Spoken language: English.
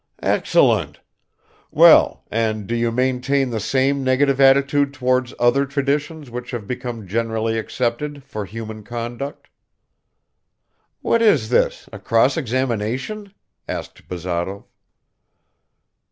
"Excellent. Well, and do you maintain the same negative attitude towards other traditions which have become generally accepted for human conduct?" "What is this, a cross examination?" asked Bazarov.